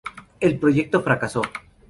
El proyecto fracasó.